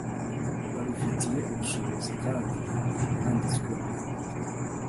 babifitiye ubushobozi kandi banditswe mu